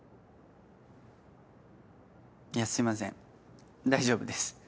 いやすいません大丈夫です。